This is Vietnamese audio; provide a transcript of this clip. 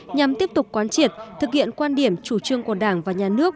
nhằm tiếp tục quán triệt thực hiện quan điểm chủ trương của đảng và nhà nước